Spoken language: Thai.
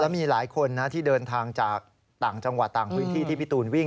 มีหลายคนนะที่เดินทางจากต่างจังหวัดต่างพื้นที่ที่พี่ตูนวิ่ง